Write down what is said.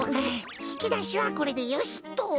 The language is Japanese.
ひきだしはこれでよしっと。